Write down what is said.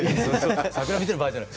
桜見てる場合じゃない。